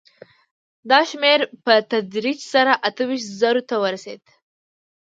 دا شمېر په تدریج سره اته ویشت زرو ته ورسېد